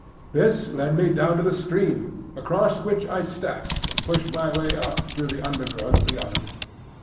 This led me down to the stream, across which I stepped and pushed my way up through the undergrowth beyond.